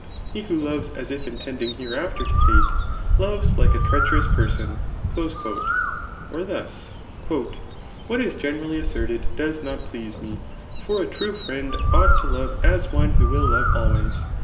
he who loves as if intending hereafter to hate^ lovM like a treacherous person." Or thus, *^ What is generally asserted does not please me; for a true friend ought to love as one who will love always.